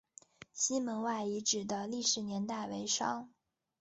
西门外遗址的历史年代为商。